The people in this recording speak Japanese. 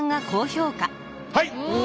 はい。